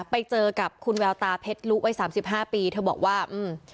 ไปเจอกับคุณแววตาเพชรลุไว้๓๕ปีเธอบอกว่าอืม